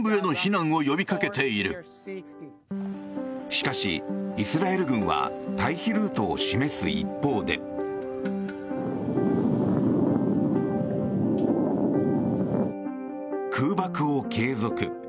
しかし、イスラエル軍は退避ルートを示す一方で。空爆を継続。